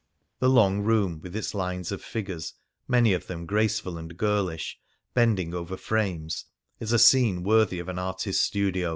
The long room, with its lines of figures, many of them graceful and girlish, bending over frames, is a scene worthy of an artist's study.